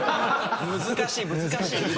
難しい難しい。